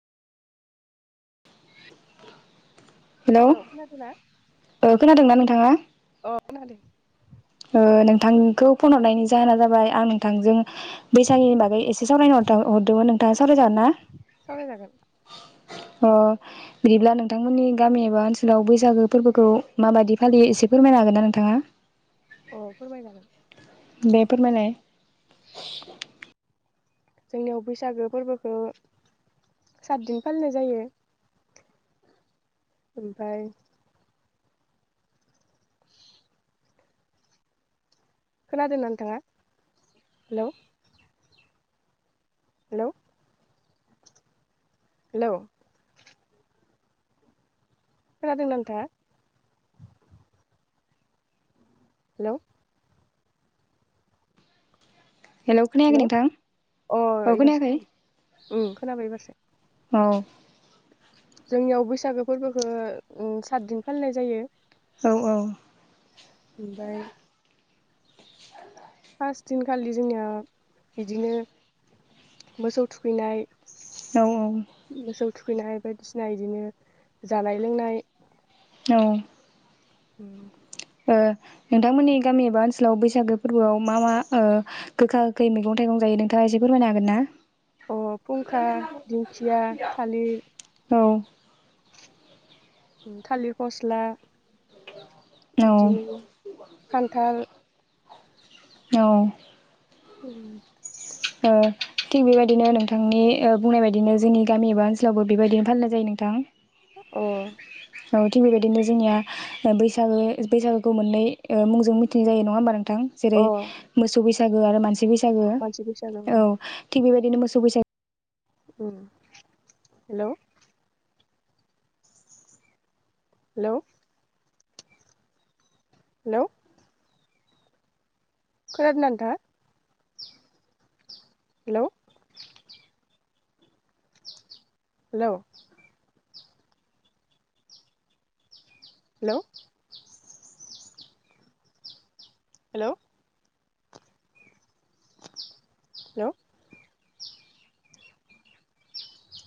Hello hello खोनादोंना? ओ खोनादोंना नोंथाङा? दों ओ नोंथांखौ फन हरनायनि जाहोना जाबाय आं नोंथांजों बैसागुनि बागै एसे सावरायनो हरदोंमोन नोंथाङा साव सावराय जागोनना? सावरायजागोन अ बिदिब्ला नोंथांमोननि गामि एबा ओनसोलाव बैसागो फोरबोखौ माबायदि फालियो एसे फोरमायनो हागोन ना नोंथाङा? अ फोरमाय जागोन। बेफोरमाने जोंनियाव बैसागो फोरबोखौ सातदिन फालिनाय जायो। ओमफ्राय खोनादोंना नोंथाङा हेल'। हेल' हेल' खोनादों ना नोंथाङा? हेल' हेलौ खोनायाखै हेल' नोंथां अ औ एबारासो खोनायाखै खोनाबाय उम खोनाबाय एबारसो। औ। जोंनियाव बैसागो फोरबोखौ सातदिन फालिनाय जायो। औ औ। ओमफ्राय फार्स्ट दिनखालि जोंनिया बिदिनो मोसौ थुखैनाय औ औ मोसौ थुखैनाय बायदिसिना इदिनो जानाय लोंनाय औ उम ओ नोंथांमोननि गामि एबा ओनसोलाव बैसागो फोरबोआव मा मा ओ गोखा गोखै मैगं थाइगं जायो नोंथाङा एसे फोरमायनो हागोन ना? अ फुंखा दिंखिया थालिर थालिर फस्ला इदिनो औ खान्थाल औ उम ओ थिग बेबायदिनो नोंथांनि ओ बुंनाय बायदिनो जोंनि गामि एबा ओनसोलावबो बेबायदिनो फालिनाय जायो नोंथां। अ औ थिग बेबायदिनो जोंनिया बैसागो बैसागोखौ मोननै मुंजों ओ मिथिनाय जायो नङा होमबा नों थां अ जेरै- मोसौ बैसा गो आरो मानसि बैसा सागो। मानसि बैसागो औ थिख बेबायदिनो मोसौ बैसागो ओम हेलौ हेलौ हेलौ खोनादोंना नोंथांआ hello hello hello hello hello